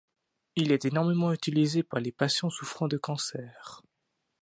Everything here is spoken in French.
Il est énormément utilisé par les patients souffrant de cancer.